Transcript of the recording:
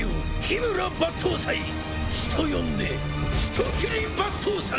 人呼んで人斬り抜刀斎！